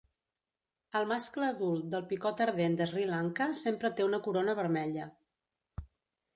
El mascle adult del Picot ardent de Sri Lanka sempre té una corona vermella.